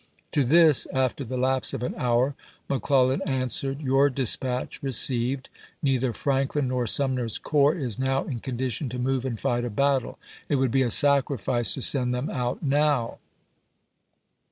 To this, after the lapse of an hour, McClellan answered: "Your dispatch received. Neither Franklin nor Sumner's corps is now in condition to move and fight a battle. It would Ibid. be a sacrifice to send them out now.